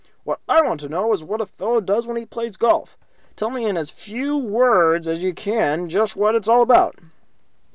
"What I want to know is what a fellow does when he plays golf. Tell me in as few words as you can just what it's all about."